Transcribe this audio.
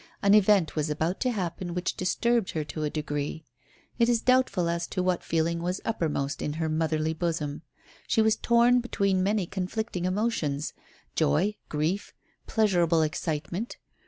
An event was about to happen which disturbed her to a degree. It is doubtful as to what feeling was uppermost in her motherly bosom. She was torn between many conflicting emotions joy, grief, pleasurable excitement.